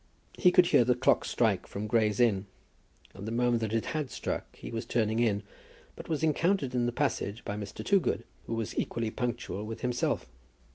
He could hear the clock strike from Gray's Inn; and the moment that it had struck he was turning in, but was encountered in the passage by Mr. Toogood, who was equally punctual with himself.